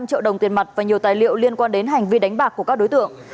ba trăm linh triệu đồng tiền mặt và nhiều tài liệu liên quan đến hành vi đánh bạc của các đối tượng